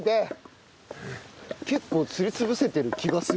結構すり潰せてる気がする。